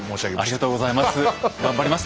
ありがとうございます。